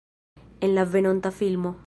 En la venonta filmo.